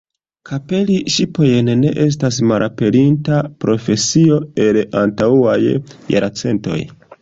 Kaperi ŝipojn ne estas malaperinta profesio el antaŭaj jarcentoj.